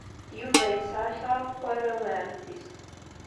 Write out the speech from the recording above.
Yuba yesɛa kraḍ n warraw n ɛemmti-s.